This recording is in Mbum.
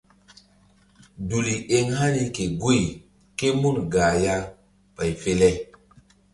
Duli eŋ hani ke guy ké mun gah ya ɓay fe le.